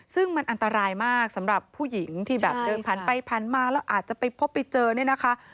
ซึ่งมันอันตรายมากสำหรับผู้หญิงที่แบบเดินผ่านไปผ่านมาแล้วอาจจะไปพบไปเจอเนี่ยนะคะ